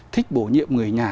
thích bổ nhiệm người nhà